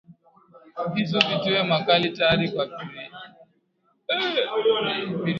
Visu vitiwe makali, tayari kwa pirisheni,